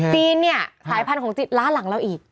จีนเนี่ยสายพันธุ์ของจีนล้าหลังเราอีก